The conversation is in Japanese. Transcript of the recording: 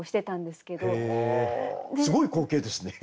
すごい光景ですね。